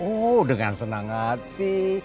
oh dengan senang hati